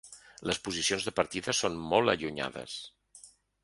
Les posicions de partida són molt allunyades.